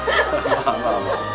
まあまあまあ。